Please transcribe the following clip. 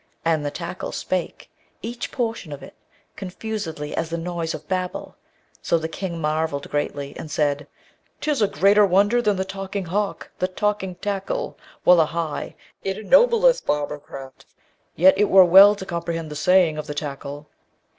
And the tackle spake, each portion of it, confusedly as the noise of Babel. So the King marvelled greatly, and said, ''Tis a greater wonder than the talking hawk, the talking tackle. Wullahy! it ennobleth barbercraft! Yet it were well to comprehend the saying of the tackle.'